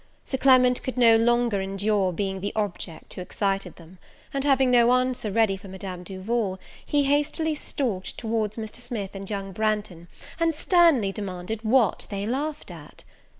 Sir Clement could no longer endure being the object who excited them; and, having no answer ready for Madame Duval, he hastily stalked towards Mr. Smith and young Branghton, and sternly demanded what they laughed at?